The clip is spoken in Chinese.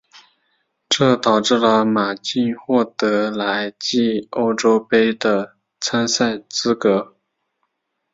这导致了马竞获得来季欧洲杯的参赛资格。